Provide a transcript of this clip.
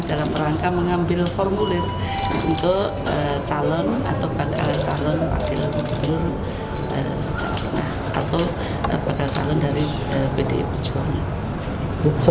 dalam rangka mengambil formulir untuk calon atau bakal calon wakil gubernur jawa tengah atau bakal calon dari pdi perjuangan